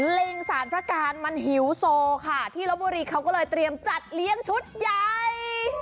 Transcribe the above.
ลิงสารพระการมันหิวโซค่ะที่ลบบุรีเขาก็เลยเตรียมจัดเลี้ยงชุดใหญ่